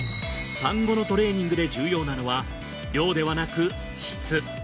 産後のトレーニングで重要なのは量ではなく質。